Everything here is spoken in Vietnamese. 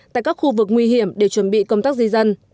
tại các khu vực nguy hiểm để chuẩn bị công tác di dân